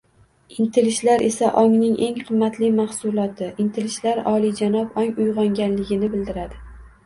Intilishlar esa ongning eng qimmatli mahsuloti. Intilishlar olijanob ong uyg’onganligini bildiradi.